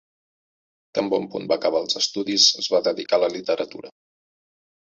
Tan bon punt va acabar els estudis es va dedicar a la literatura.